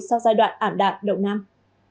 sau giai đoạn ảm đạc đồng nam